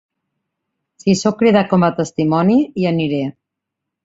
Si sóc cridat com a testimoni, hi aniré.